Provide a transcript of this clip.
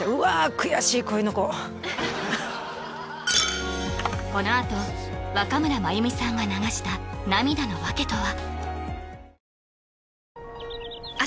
悔しいこういうのこうこのあと若村麻由美さんが流した涙の訳とは？